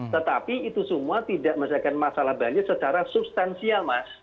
tetapi itu semua tidak menyelesaikan masalah banjir secara substansial mas